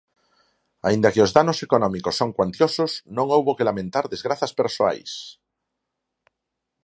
Aínda que os danos económicos son cuantiosos, non houbo que lamentar desgrazas persoais.